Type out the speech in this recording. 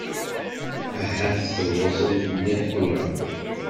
Ahat telluẓemt mliḥ tura.